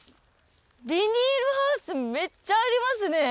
ビニールハウスめっちゃありますね。